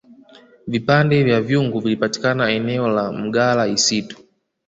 vipande vya vyungu vilipatikana eneo la mgala isitu